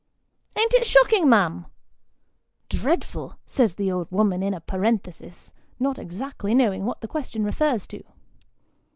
" An't it shocking, ma'am ? (Dreadful ! says the old woman in a parenthesis, not exactly knowing what the question refers to.)